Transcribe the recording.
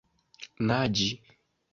naĝi